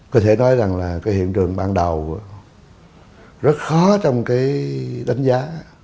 có thể nói rằng là cái hiện trường ban đầu rất khó trong cái đánh giá